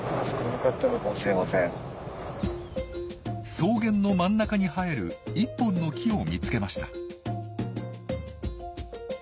草原の真ん中に生える１本の木を見つけました。